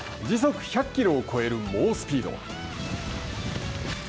時速１００キロを超える猛スピード。